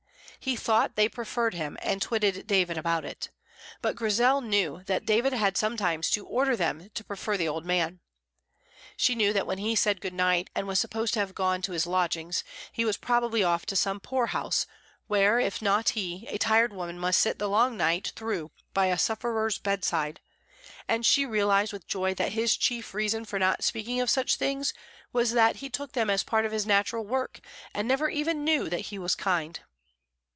He thought they preferred him, and twitted David about it; but Grizel knew that David had sometimes to order them to prefer the old man. She knew that when he said good night and was supposed to have gone to his lodgings, he was probably off to some poor house where, if not he, a tired woman must sit the long night through by a sufferer's bedside, and she realized with joy that his chief reason for not speaking of such things was that he took them as part of his natural work and never even knew that he was kind.